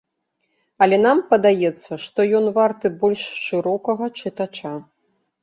Але нам падаецца, што ён варты больш шырокага чытача.